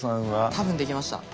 多分できました。